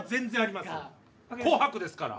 「紅白」ですから。